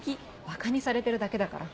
ばかにされてるだけだから。